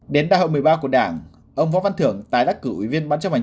đến đại hội một mươi ba của đảng ông võ văn thưởng tái đắc cử ủy viên ban chấp hành trung ương